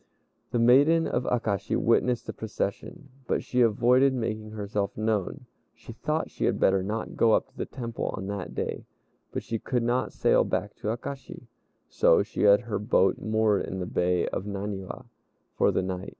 The maiden of Akashi witnessed the procession, but she avoided making herself known. She thought she had better not go up to the Temple on that day; but she could not sail back to Akashi, so she had her boat moored in the bay of Naniwa for the night.